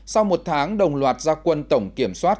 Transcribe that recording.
sau một tháng đồng loạt gia quân tổng kiểm soát